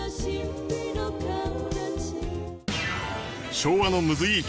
昭和のムズいい曲。